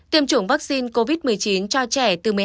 tiêm chủng vaccine covid một mươi chín cho trẻ từ một mươi hai